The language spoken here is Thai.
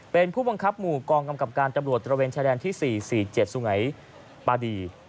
เป็นผู้บังคับหมู่กองกำกับการตำรวจตระเวนชายแดนที่๔๔๗สุไงปาดี